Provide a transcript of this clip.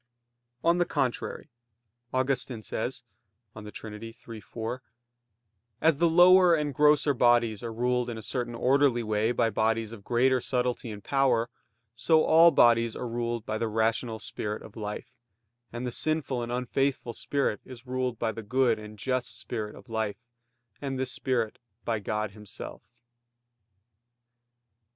On the contrary, Augustine says (De Trin. iii, 4): "As the lower and grosser bodies are ruled in a certain orderly way by bodies of greater subtlety and power; so all bodies are ruled by the rational spirit of life; and the sinful and unfaithful spirit is ruled by the good and just spirit of life; and this spirit by God Himself."